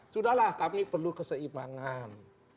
sudahlah kami perlu keseimbangan